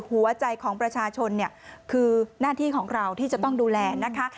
หัวใจของประชาชนเนี่ยคือหน้าที่ของเราที่จะต้องดูแลนะคะ